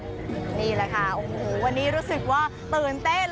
นี่แหละค่ะโอ้โหวันนี้รู้สึกว่าตื่นเต้น